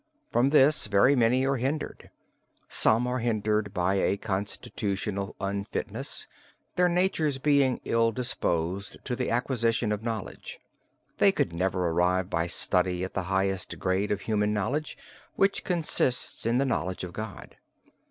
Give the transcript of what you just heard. From this very many are hindered. Some are hindered by a constitutional unfitness, their natures being ill disposed to the acquisition of knowledge. They could never arrive by study at the highest grade of human knowledge, which consists in the knowledge of God.